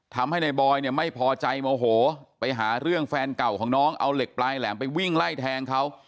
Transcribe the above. ทำให้ในบอยเนี่ยไม่พอใจโมโหไปหาเรื่องแฟนเก่าของน้องเอาเหล็กปลายแหลมไปวิ่งไล่แทงเขา